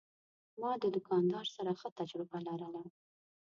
ما د دوکاندار سره ښه تجربه لرله.